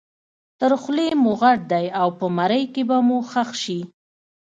تر خولې مو غټ دی او په مرۍ کې به مو ښخ شي.